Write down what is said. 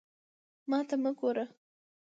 ما ته مه ګوره!